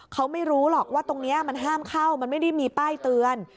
เขาไม่รู้หรอกว่าตรงนี้มันห้ามเข้ามันไม่ได้มีป้ายเตือน